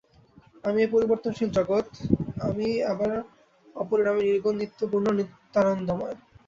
আমি এই পরিবর্তনশীল জগৎ, আমিই আবার অপরিণামী, নির্গুণ নিত্যপূর্ণ নিত্যানন্দময়।